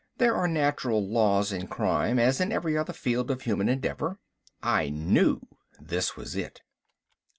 There are natural laws in crime as in every other field of human endeavor. I knew this was it.